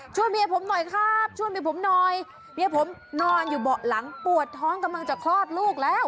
เมียผมหน่อยครับช่วยเมียผมหน่อยเมียผมนอนอยู่เบาะหลังปวดท้องกำลังจะคลอดลูกแล้ว